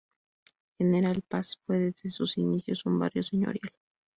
General Paz fue desde sus inicios un barrio señorial.